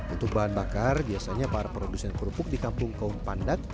untuk bahan bakar biasanya para produsen kerupuk di kampung kaum pandat